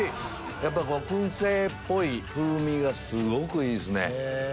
やっぱ薫製っぽい風味がすごくいいっすね。